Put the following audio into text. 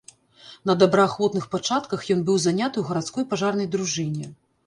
На добраахвотных пачатках ён быў заняты ў гарадской пажарнай дружыне.